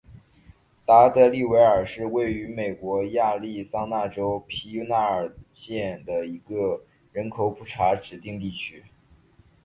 达德利维尔是位于美国亚利桑那州皮纳尔县的一个人口普查指定地区。